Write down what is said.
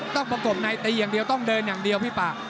ประกบในตีอย่างเดียวต้องเดินอย่างเดียวพี่ปาก